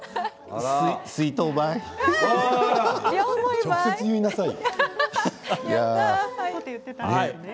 直接言いなさいよ。